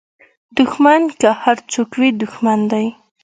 دوښمن که هر څوک وي دوښمن دی